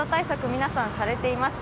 皆さんされています。